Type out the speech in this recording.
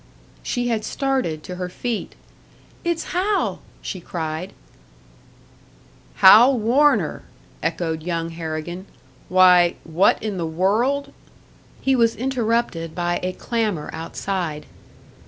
She had started to her feet. "It's Hal!" she cried. "Hal Warner!" echoed young Harrigan. "Why, what in the world ?" He was interrupted by a clamour outside.